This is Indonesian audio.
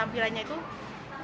tampilannya itu bagus kan